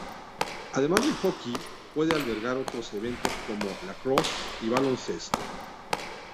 Además de hockey, puede albergar otros eventos como lacrosse y baloncesto.